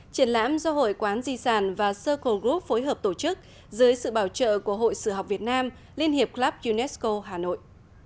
triển lãm do hội quán di sản và sơcle group phối hợp tổ chức dưới sự bảo trợ của hội sử học việt nam liên hiệp club unesco hà nội